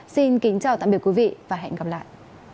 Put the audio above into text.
xin chào và hẹn gặp lại